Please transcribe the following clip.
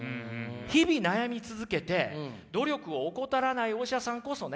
日々悩み続けて努力を怠らないお医者さんこそね